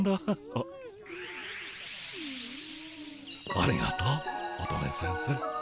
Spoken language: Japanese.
ありがとう乙女先生。